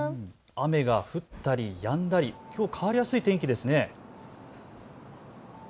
雨が降ったりやんだりきょう、変わりやすい天気ですね。